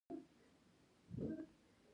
ما ستا خاطرات ولوستل او موږ یو څه مشترکات لرو